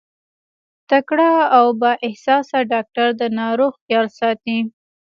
تکړه او با احساسه ډاکټر د ناروغ خيال ساتي.